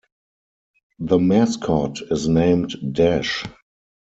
The mascot is named Dash.